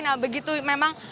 nah begitu memang